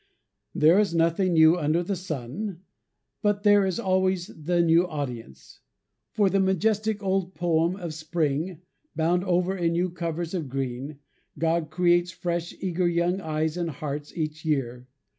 There is nothing new under the sun, but there is always the new audience. For the majestic old poem of Spring, bound over in new covers of green, God creates fresh, eager young eyes and hearts each year.